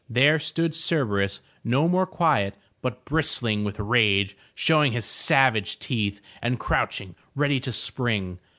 There stood Cerberus, no more quiet, but bristling with rage, showing his savage teeth, and crouching ready to spring.